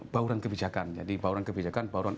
bauran kebijakan jadi bauran kebijakan bauran